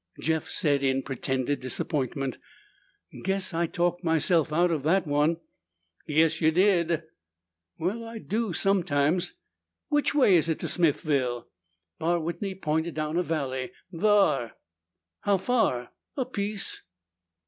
Jeff said in pretended disappointment, "Guess I talked myself out of that one." "Guess you did." "Well, I do sometimes. Which way is Smithville?" Barr Whitney pointed down a valley. "Thar." "How far?" "A piece."